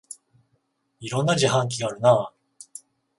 いろんな自販機があるなあ